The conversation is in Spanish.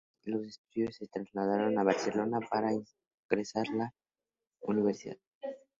Acabados los estudios se trasladaron a Barcelona para ingresar en la Universidad.